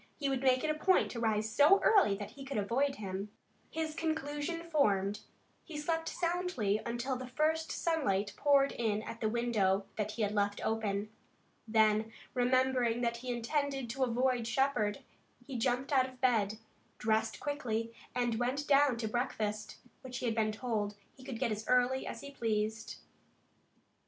He would make it a point to rise so early that he could avoid him. His conclusion formed, he slept soundly until the first sunlight poured in at the window that he had left open. Then, remembering that he intended to avoid Shepard, he jumped out of bed, dressed quickly and went down to breakfast, which he had been told he could get as early as he pleased.